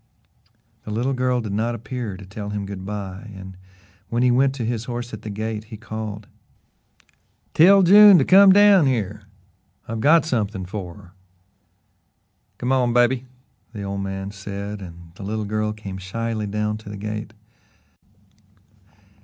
The little girl did not appear to tell him goodby, and when he went to his horse at the gate, he called: "Tell June to come down here. I've got something for her." "Go on, baby," the old man said, and the little girl came shyly down to the gate.